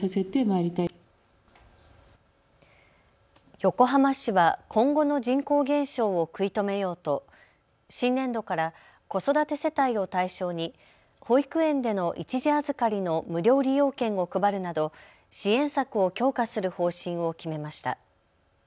横浜市は今後の人口減少を食い止めようと新年度から子育て世帯を対象に保育園での一時預かりの無料利用券を配るなど支援策を強化する方針を決めました。